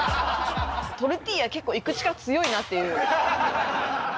トルティーヤ、結構いく力強いなっていう。